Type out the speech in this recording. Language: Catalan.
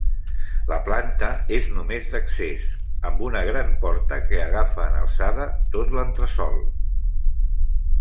La planta és només d'accés, amb una gran porta que agafa, en alçada, tot l'entresòl.